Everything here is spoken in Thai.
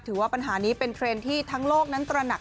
ว่าปัญหานี้เป็นเทรนด์ที่ทั้งโลกนั้นตระหนัก